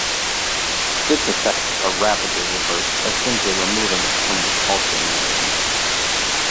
Its effects are rapidly reversed by simply removing it from the culture medium.